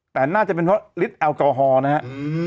แต่น่าจะเป็นเพราะฤทธิ์แอลกอฮอล์นะครับ